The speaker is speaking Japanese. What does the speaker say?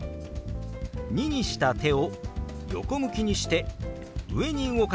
「２」にした手を横向きにして上に動かします。